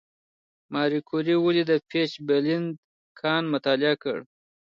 ماري کوري ولې د پیچبلېند کان مطالعه وکړه؟